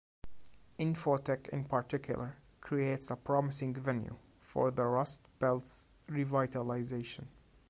Infotech in particular creates a promising venue for the Rust Belt's revitalization.